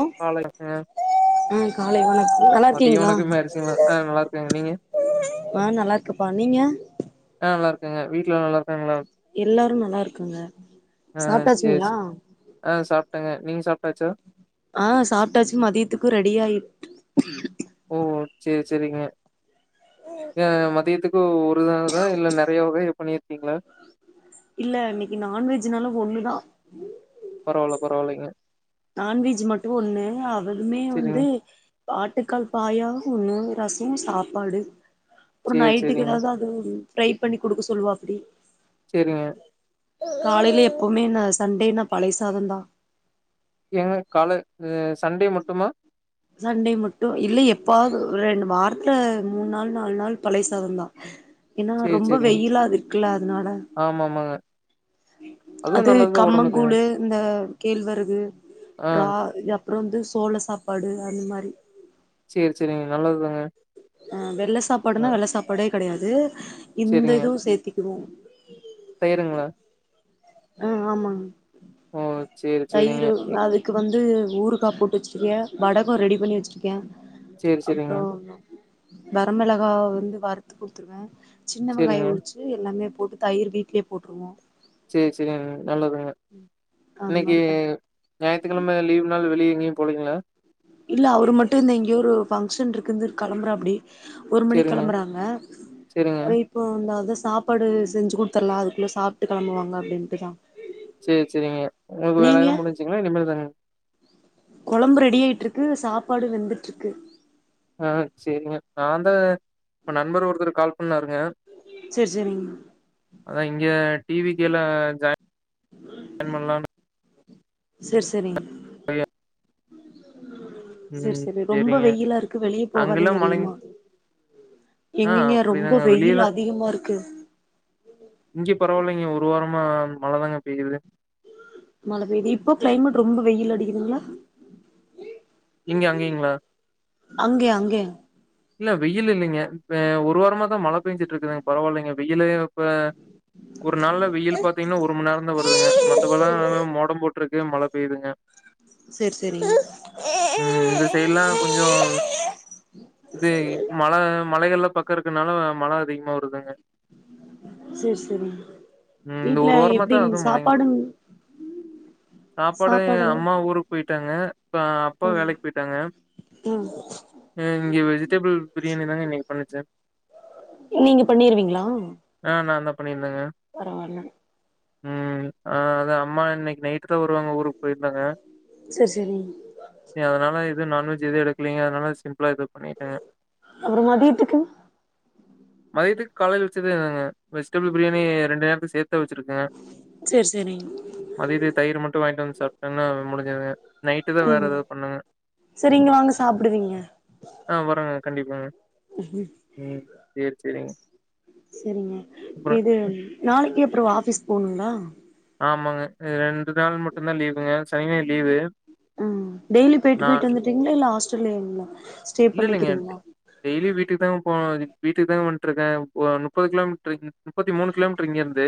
ஹ் காலை ம் காலை வணக் மதிய வணக்கமே ஆயிர்ச்சுங்ளா அ நல்லார்க்கங்க நீங்க ஆ நல்லா இருக்கப்பா நீங்க ங்க வீட்ல நல்லார் எல்லாரு நல்லா இருக்காங்க ஆ சேரி சாப்ட்டாச்சுங்ளா டாச்சா ஆ சாப்ட்டாச்சு மதியத்துக்கு ரெடியாயிட் ஓ ஓ சேர் சேரிங்க எ மதியத்துக்கு உ [unintelligible] இல்ல நெறைய வகைய பண்ணீர்க்கீங்ளா இல்ல இன்னிக்கு நான்வெஜ்னால ஒண்ணுதா பரவால்ல பரவால்லைங்க நான்வெஜ் மட்டு ஒண்ணு அவதுமே சேரிங்க வந்து பாட்டுக்கால் பாயா ஒண்ணு ரசொ சாப்பாடு அப்றொ சேரி சேரிங்க நைட்டுக்கெதாது அது [inaudible] ட்ரை பண்ணி குடுக்க சொல்வாப்டி சேரிங்க காலைல எப்போமே நா சண்டேனா பழைய சாதந்தா ஏங்க கால [unintelligible] சண்டே மட்டுமா சண்டே மட்டு இல்ல எப்பாவது ரெண்டு வார்த மூண் நாள் நால் நாள் பழைய சாதந்தா ஏன்னா சேரி ரொம்ப சேரிங்க வெயிலா இருக்குல்ல அதுனால ஆமா ஆமாங்க அதுவு அது நல்லதுதா ஒடம்புக்கு கம்மங்கூளு இந்த கேழ்வரகு ஆ ரா அப்பறொ வந்து சோழ சாப் பாடு அந்மாரி சேரி சேரிங்க நல்லது தாங்க ஆ வெள்ள சாப்பாடுனா வெள்ள சாப்பாடே கெடையாது இந்திதுவு சேத்தி [unintelligible] தயிருங்ளா அ ஆமாங் ஓ சேரி சேரிங்க தயிரு அதுக்கு வந் வந்து ஊருக்கா போட்டு வச்சுருக்கேன் வடக்கம் ரெடி பண்ணி வச்சுருக்கேன் சேரி சேரிங்க அப்பறோம் வரமிளகாவ வந்து வறுத்து குடுத்துருவேன் சின்ன சேரிங்க வெங்காயம் உரிச்சு எல்லாமே போட்டு தயிர் வீட்லயே போட்டுருவோ சேரி சேரிங்க நல்லதுங்க அந்த இன்னைக்கு மாரி பண் ஞாயித்துக்கிழமை லீவ் நாள் வெளிய [unintelligible] போலீங்களா இல்ல அவரு மட்டும் இந்த எங்கேயோ ஒரு ஃபங்க்ஷன் இருக்குன்ன கிளம்புறாப்படி ஒரு மணி சேரிங்க, கிளம்புறாங்க சேரிங்க. இப்ப [unintelligible] சாப்பாடு செஞ்சு குடுத்துரலா அதுக்குள்ளே சாப்ட்டு கிளம்புவாங்க அப்படின்ட்டு தான் சேரி சேரிங்க உங்களுக்கு வேலை எல்லா முடிஞ்சுங்களா இனிமே [unintelligible] குழம்பு ரெடி ஆய்யிட்டு இருக்கு சாப்பாடு வெந்துட்டு இருக்கு ஆஹ் சேரிங்க நான் தான் நண்பர் ஒருதரு கால் [unintelligible] [unintelligible] சேரி சேரிங்க அதான் இங்க டிவிகேல ஜய்ன் [unintelligible] பண்லானு சேரி சேரிங் [unintelligible] [inaudible] சேரி ம் சேரி ரொம்ப சேரிங்க. வெயிலா இருக்கு வெளியே போகாதீங்க அங்கெல்லாம் மழைங் அதிகமா ஆ எங்கங்க ரொம்ப அப்படிதாங்க. வெயில் வெளியலா அதிகமா இருக்கு இங்க பரவாயில்லைங்க. ஒரு வாரமா மழ தாங்க பெய்யுது மழ பெய்து இப்போ கிளைமேட் ரொம்ப வெய்யில் அடிக்குதுங்களா இங்க அங்கங்களா அங்கே அங்கே ஆஹ் ஒரு வாரமா தான் மழ பெஞ்சுட்டு இருக்குதுங்க பரவாயில்லைங்க வெய்யிலு இப்ப ஒரு நாள்ல வெய்யில் பாத்தீங்கன்னா ஒரு மண் நேரம் தா வருதுங்க மத்தபல்லாம் மோடம் போட் ட்ருக்கு மழ பெய்யுதுங்க செரி செரிங்க ம் இந்த சைடுலா கொஞ்சோ இது மழ மலைகள்ல்லாம் பக்கம் இருக்குறதுனால மழ அதிகமா வருதுங்க சேர் சேரிங் ம் இந்த வீட்டு்ல வாரமா தான் எப்டிங் அதுவும் மழைங்க. சாப்பாடுங் சாப்பாடு அம்மா ஊருக்கு போய்ட் டங்க இப்ப அப்பா ம் வேலைக் போய்ட்டாங்க ம் ம் இங்க வெளி ஜிடபள் ப்ரியாணி தாங்க இன்னைக் பண்ணுச்சு நீங்க பண்ணிருவீங்களா ஆ நான் தான் பண்ணியிருந்தேங்க. பரவால ம் ஆஹ் அது அம்மா இன்னைக் நைட்டு தா வருவாங்க ஊருக் போய்ருந்தாங்க செர் செரி எதும் நான்வஜ் எதும் எடுக்கலங்க அதனால சிம்பிளா இது பண் அப்றம் மதியத்துக்கு மதியத்துக்கு காலையில வச்சதேதாங்க வெஜிடபிள் ப்ரியாணி ரெண்டு நேரத்துக்கு சேத் தா வச்சிருக்கங்க செரி செரிங்க மதியத்துக்கு தயிரு மட்டும் வாங்கிட்டு வந்து சாப்டன முடிஞ்சதுங்க நைட்டு தா வேற உம் ஏதாவது பண்ணுங்க. செரி இங்க வாங்க சாப்டுவீங்க வராங்க கண்டிப்பாங்க உம் செர் செரிங்க செரிங்க இது நாளைக் எப் அப்றம் ஆஃபீஸ் போணும்ங்களா ஆமாங்க ரெண்டு நாள் மட்டும்தா லீவுங்க சனி, ஞாயிறு லீவு. ம் டெய்லி போய்ட்டு நா போய்ட்டு வந்துட்ரிக்ங்களா இல்ல ஹாஸ் [unintelligible] இல்ல இல்லிங்க டெய்லி வீட்டுக்குதா போ வீட்டுக்குதா வந்ட்டுருக்கே ஓ முப்பது கிலோமீட்டரு முப்பத்தி மூணு கிலோமீட்ரு இங்கருந்து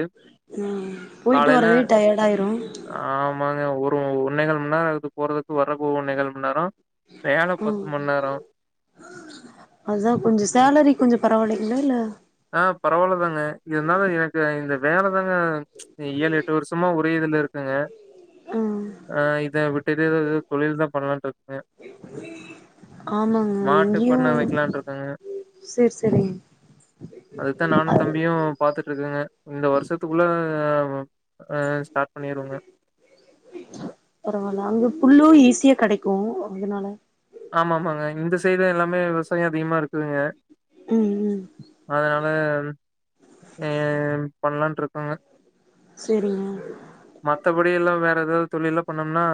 ம் போயிட்டு காலையில வரதே டயர்ட் ஆயிரு ஆமாங்க ஒ ஒன்னே கால் மண்நேர ஆகுது போறதக்கு வரதுக்கு ஒன்னே கால் மண்நேர வேல பத்து ம் மண்நேர அதா கொஞ்ச சேலரி கொஞ்ச பரவாலிங்களா இல்ல ஆஹ் பரவாலதாங்க இருந்தாலு எனக்கு இந்த வேலை தாங்க ஏழு எட்டு வருஷமா ஒரே இதுல இருக்கங்க ம் ஆஹ் இத வ் ஏததுது தொழில்தா பண்ணலான்ற ஆமாங்க மாட்டு இங்கியு பண்ண வைக்கலான்ட்டு இருக்கேங்க. சரி சரிங்க அதுதா நானு தம்பியு பாத்துட்டுருக்கங்க இந்த வருஷத்துக்குள்ள ஆஹ்ம் அஷ்ட பரவாயில்ல அங்க புல்லுய்ஸ் த்திய கெடைக்கு அதனால ஆமாமாங்க இந்த சைடு எல்லாமே விவசாய அதிகமா இருக்குதுங்க ம் ம் அதனால ஏம் பண்ணலான்ருக்கு ஆம சரிங்க மத்தபடில்லா வேற ஏதாது தொழில்லா பண்ணோம்னா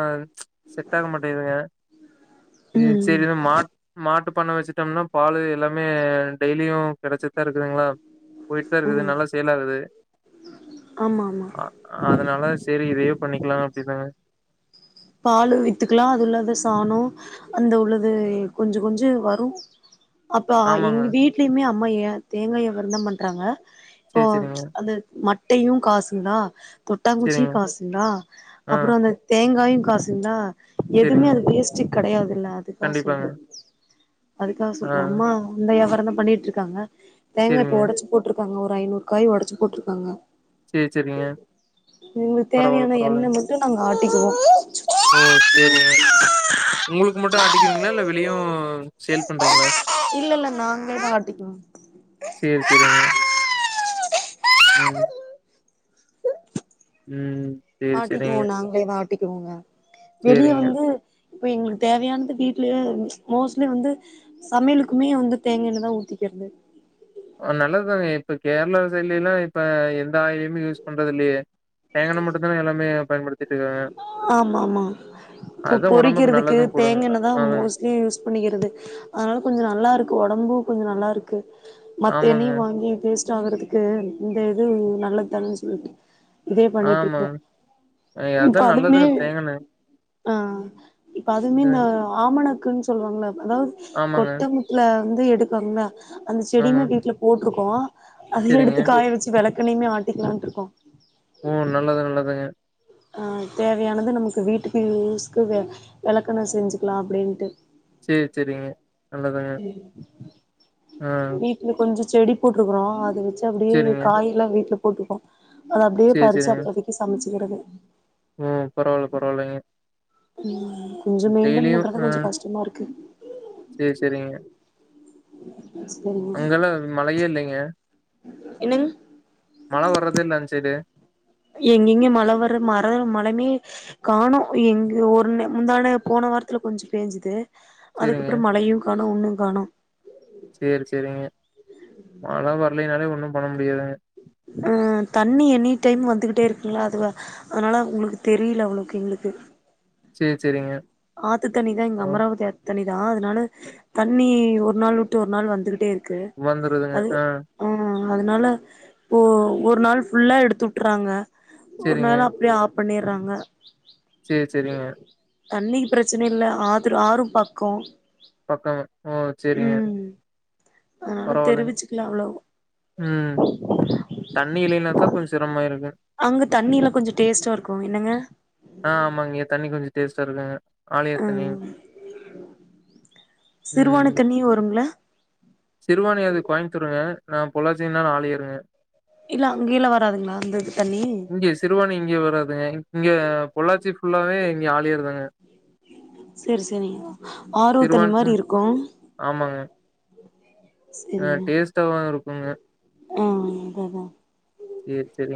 செட்டாக மாட்டேதுங்க ம் சரி மா மாட் பண்ண வச்சுட்டோம்னா பாலு எல்லாமே டெய்லியு கெடைச்சட்டுதா இருக்குதுங்களா போயிட்டுதா இருக்குது ம் நல்லா சேல்லாகுது ஆமா ஆமா அ அதனால எதையோ பண்ணிக்கலா அப்படிதாங்க பால் வித்துக்கலா அதுல்லது சாண அந்த உள்ளது கொஞ்ச கொஞ்ச வரு அப்பா ஆமாங்க. எங்க வீட்லயுமே அம்மா ஏ தேங்காய வெண்ணம் பண்றாங்க இப்போ சேரி, சேரிங்க. அது முட்டையு காசுங்களா கொட்டாங்குச்சி சேரிங்க. காசுங்களா ஆ, அப்புற அந்த தேங்காய் காசிந்தா எதுமே சேரிங்க. அது வேஸ்டு கெடையாதுல்ல அதுக்காக கண்டிப்பாங்க. சொல்றே அதுக்காக ஆ, சொல்ற அம்மா இந்த எவ்வ தன்ன பண்ணிட்ருக்காங்க தேங்கா இப்ப சேரிங்க. ஒடச்சு போட்ருக் காங்க ஒரு ஐநூறு காய் ஒடச்சு போட்ருக்காங்க சேரி, சேரிங்க. இவ்ங்குள் பரவால்ல, தேவ்யான எண்ண பரவால்லங்க. மட்டு நம்ம ஆட்டிக்குவோ ஓ ம் சேரிங்க உங்ளுக்கு மட்டு ஆட்டிக்கிவீங்ளா இல்ல வெளியு சேல் பண்றீங்ளா இல்ல இல்ல நாங்களே தா ஆட்டிக்குவோ சேரி சேரிங்க ம் ம் சேரி, ஆட்டிக்கிவோ சேரிங்க. நாங்ளே தா ஆட் டிக்கிவோங்க வெளிய சேரிங்க. வந்து இப்ப எங்ளுக்கு தேவ்யான்து வீட்லே மோஸ்லி வந்து சமைலுக்குமே வந்து தேங்எண்ண தா ஊத்திக்கெற்து அ நல்லதுதானே இப்ப கேர்ளா சைட்லேல்லா இப்ப எந்த ஆயிலுமே யூஸ் பண்றது இல்லயே தோங்காண்ண மட்டுந்தான எல்லாமே பயன்படுத்திட்டுக்காங்க ஆமா ஆமா பு உடம்புக்கு பொறிக்கிறதுக்கு நல்லதும் கூடங்க. தேங்காண்ண தா அதாங்க. மோஸ்லி யூஸ் பண்ணிக்கிறது அத்னால கொஞ்சொ நல்லா இருக்கு ஒடம்பு கொஞ்சொ நல்லா இருக்கு மத்த ஆமாங்க. எண்ணெயு வாங்கி ஃபேஸ் சாவறதுக்கு இந்த இது நல்லத் தான [unintelligible] இதே ஆமா. பண்ணியிட்ருக்றோ அ இப் ப அதான் அதுமே நல்லதுங்க தேங்காய் எண்ணெய். ஆ இப்ப அதுமே நா ம். ஆமணக் குன் சொல்வாங்கள அதாவ் ஆமாங்க. கொட்டமுக்ல வந்து எடுப்பாங்ளா அந்த ஆமா. செடிய்மே வீட்ல போட் ருக்கோ அதியு சேரிங்க. எடுத்து காய வெச்சி வெளக் கெண்ணைய்மே ஆட்டிக்லான்ருக்கோ ம் நல்லது நல்லதுங்க ஆ தேவையானது நமக்கு வீட்டுக்கு யூஸ்க்கு வெ வெளக்கெண்ண செஞ்சுக்குலா அப்டீன்ட்டு சேர் செரிங்க உம் வீட்ல கொஞ்சம் செடி போட்ருக்குறோம் அத வச்சு அப்டியே சேரிங்க. காயல்லாம் வீட்ல போட் போட்டுப்போம் அத அப்டியே பறிச்சு, அப்போதைக்கு சமச்சு சிரனும் அஹ் பரவாயில்ல, பரவாயில்லங்க. கொஞ்சம் மெயின்டென் பண்றதா, ஆ கொஞ்சம் கஷ்டமா இருக்கு. சேரி செரிங்க சரிங்க அங்கெல்லாம் மழையே இல்லைங்க. என்னங்க மழ வர்றது இல்ல அந் சைடு எங்கெங்க மழை வர மர மழமே காணும் எங்க ஒரு முந்தானே போன வாரத்துல கொஞ்சம் பேஞ்சுது சேரிங்க. அதுக்கப்பறம் மழையும் காணும் ஒண்ணும் காணும் சேரி சேரிங்க மழ வரலைனாலே ஒணும் ஆ தண்ணி எனி டைம் வந்துகிட்டே இருக் ங்ளா அதுவா அதனால உங்களுக்கு தெரியல அவ்ளுக்கு எங்களுக்கு சேரி சேரிங்க. ஆத்து தண்ணிதா இங்க பரவா அமராவதி ஆத்து தண்ணிதா அதனால தண்ணி ஒரு நாள் விட்டு ஒரு நாள் வந்துகிட்டே இரு வந்துருதுங்க அ அதுனால இப்போ ஒரு நாள் ஃபுல்லா எடுத்து வுட்றாங்க ஒரு சேரிங்க. நாள் அப்டியே ஆப் பண்ணீர்றாங்க சேரி சேரிங்க தண்ணிக் பிரச்சனை இல்ல ஆதுறு ஆறூ பக்கோ பக்கங் ஓ சேரிங்க அதுனால பரவால்லைங்க. தெரிவிச்சுக்கல அவ்ளோ ம். தண்ணி இல்லைனா தான் கொஞ்சம் சிரமமா இருக்கும். அங்க தண்ணி எல்லா கொஞ்சோ டேஸ்டா இருக்கு என்னங்க டேஸ்டா இருக்குங்க ஆழியார் தண்ணி. ம் ம். சிறுவாணி தண்ணியு வருங்ளா சிறுவாணி அது கோயம்புத்தூருங்க நா பொள்ளாசின்னா ஆழியாருங்க இல்ல அங்கேயெல்லா வராதுங்ளா அந்த இது தண்ணி இங்க சிறுவாணி இங்க வராதுங்க இங்க பொள்ளாச்சி ஃபுல்லாவே இங்க ஆழியாறுதாங்க சேரி சேரி ஆரோ தன்னி சிறுவாணி மாரி ம் இருக்கும் ஆ டேஸ்ட்டாவுருக் ம் ம் ம்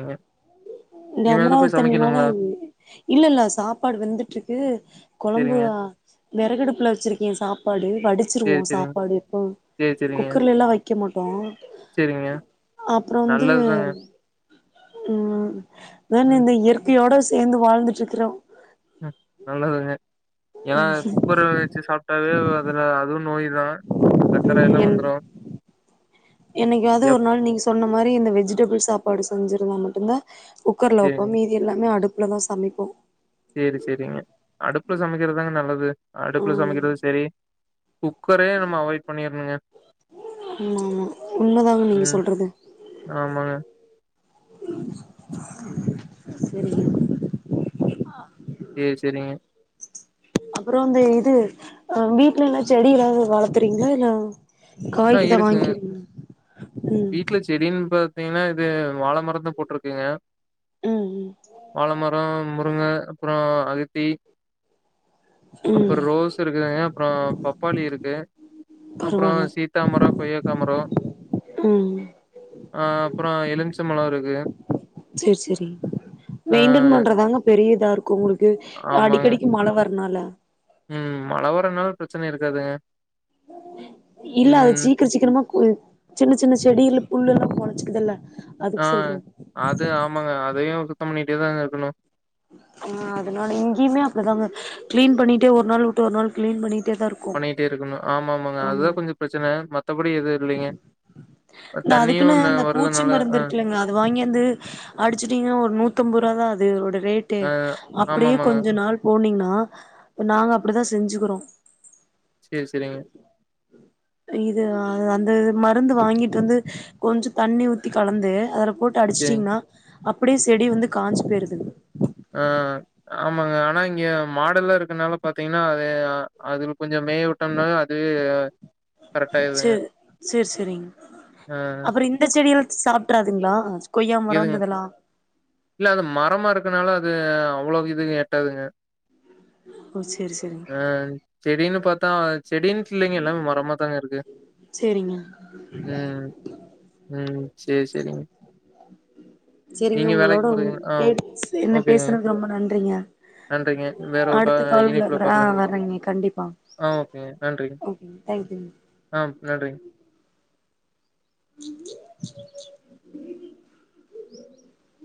எ இந்த அமராவ தண்ணினால இல்ல இல்ல சாப்பாடு வெந்துட்டுருக்கு கொழம்பு சரிங்க, வெறகடுப்புல வச்சிருக்கேன் சாப்பாடு வடிச்சிருவோ சரி, சரிங்க, சாப்பாடு எபவும் சரி, சரிங்க, குக்கர்லலாம் வைக்க மாட்டோம் சரிங்க. அப்றம் வந்து நல்லது தாங்க. ம் அத ம், இந்த இயற்கையோட சேந்து வாழ்ந்துட்டுருக்றோம் ம் நல்லதுங்க ஏனா குக்கர் வச்சு சாப்பிட்டாவே அதுல அதும் நோய் தான் சக்கர எல்லா வந்ரும் என்னைக்காது ஒரு நாள் நீங்க சொன்ன மாரி இந்த வெஜிடபிள் சா பாடு செஞ்சிருந்தா மட்டுதா குக்கர்ல சரிங்க, வப்போம் மீதி எல்லாமே அடுப் இவ்ளதான் சமைப்போம் சரி, சரிங்க. அடுப்புல சமைக்கிறது தாங்க நல்லது. அடுப்புல ம் சமைக்கிறது சரி குக்கரே நம்ம அவாய்ட் பண்ணிருணுங்க ஆமா ஆமா உண்மதாங்க நீங்க ம் சொல்றது ஆமாங்க ம். [inaudible] [unintelligible] ம் சேரிங்க அப்புறம் அந்த இது அஹ் வீட்டுலல்லாம் செடி எதாவது வளர்த்துறீங்களா இல்ல ஆ காய்க்குதான் இருக்குங்க. வாங்கி ம் தீங்கன்னா இது வாழ மரத்த போட்ருக்குங்க ம் வாழமரம் ங்க அப்றோ அகத்தி ம் ம் அப்பறம் ரோஸ் இருக்குங்க அப்புறம் பப்பாளி இருக்கு அப்புறம் பரவால்ல சீத்தாமரம் கொய்யக்காமரம் ம் ஆ அப்புறம் எலும்ச் மலாருக்கு சேர் சேரிங் மெயின்டென் பண்றதாங்க பெரிய இதாருக் கு உங்களுக்கு ஆமாங்க. அடிக்கடிக்கு மழ வரனால ம் மழை வரனால பிரச்சனை இருக்காதுங்க இல்ல அது ம். சீக்கிரம் சீக்கிரமா புல் சின்ன சின்ன செடியில புல் எல்லா மொள ச்சிடுதல்ல ஆ அது ஆமாங்க அதையு சு த்தம் பண்ணிகிட்டேதாங்க இருக்கணு ஆ அதனால இங்கேயுமே அப்படிதாங்க கிளீன் பண்ணிட்டு ஒரு நாள் வுட்டு ஒரு நாள் கிளீன் பண்ணி பண்ணிகிட்டே இருக்கணு ஆமாமா அ அதா கொஞ்சோ பிரச்சன அ மத் நா அதுக்குனு தண்ணியும் ந இந்த பூச்சி வருதுனால மருந்து அ, இருக்குள்ளங்க அத வாங்கியந்து அடிச்சிடிங்கனி ஒரு நூத்தம்ப ரூவா தா அது இது உடு ரேட்டு அ அப்டியே ஆமாமாங்க. கொஞ்ச நாள் போனீங்கனா ஆஹ் இப்ப நாங்க அப்டிதா செஞ்சுக்குறோ சேரி சரிங்க இது ஆ அது அந்த மருந்து வாங்கிட்டு வந்து கொஞ்ச தண்ணி ஊத்தி கலந்து அதுல போட்டு சேரிங்க. அடிச்டீங்க்னா அப்டியே செடி வந்து காஞ்சு பேய்ருது ஆஹ் ஆமாங்க ஆனா இங்க மாடெல்லா இருக்கனால பாத்தீங்கன்னா அது அது கொஞ்ச மேய விட்டம்னா அதுவே கரெக்டாயிர்துங்க சேரி சேரி ஆஹ் சாப்ட்றாதுங்ளா எதுங்க இல்ல அது மரமா இருக்கனால அது அவ்வளவுக்கு இதுக்கு எட்டாதுங்க ஓ சேரி சேரிங்க அஹ் செடின்னு பத் தா செடின்டு இல்லைங்க எல்லாமே மரமா தாங்க இருக்கு சேரிங்க உம் உம் சேரி செரிங்க சரிங்க உங்களோட ஆ என்ன ஓகேங்க. பேசுனது ரொம்ப நன்றிங்க நன்றிங்க. வேற ஒரு கா அடுத்த கால்ல இணைப்புல ஆஹ் பாக்கலாங்க. வறங்க கண்டிப்பா ஆ ஓகேங்க. நன்றிங்க. ஆ நன்றிங்க. [unintelligible]